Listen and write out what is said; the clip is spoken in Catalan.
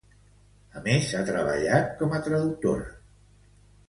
A més, ha treballat com a traductora.